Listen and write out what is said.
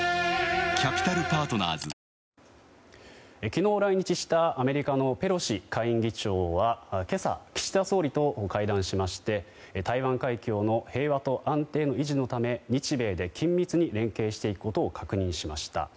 昨日、来日したアメリカのペロシ下院議長は今朝、岸田総理と会談しまして台湾海峡の平和と安定維持のため日米で緊密に連携していくことを確認しました。